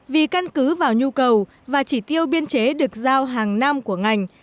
vì căn cứ vào nhu cầu và chỉ tiêu biên chế được giao hàng năm của ngành